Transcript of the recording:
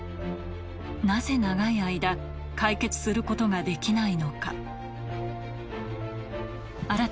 なぜ長い間、解決することができないのか。